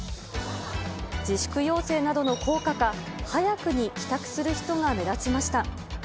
自粛要請などの効果なのか、早くに帰宅する人が目立ちました。